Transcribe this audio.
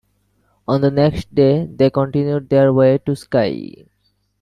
On the next day they continued their way to Skye.